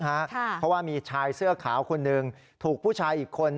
เพราะว่ามีชายเสื้อขาวคนหนึ่งถูกผู้ชายอีกคน